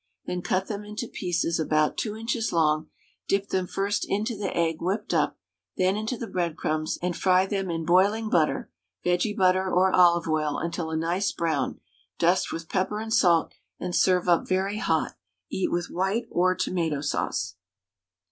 Then cut them into pieces about 2 inches long, dip them first into the egg whipped up, then into the breadcrumbs, and fry them in boiling butter, vege butter, or olive oil until a nice brown; dust with pepper and salt, and serve up very hot; eat with white or tomato sauce.